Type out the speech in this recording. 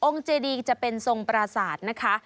เจดีจะเป็นทรงปราศาสตร์นะคะ